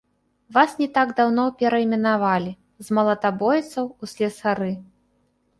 Вас не так даўно перайменавалі з малатабойцаў у слесары.